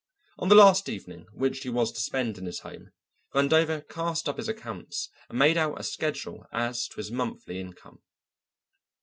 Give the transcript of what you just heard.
On the last evening which he was to spend in his home, Vandover cast up his accounts and made out a schedule as to his monthly income.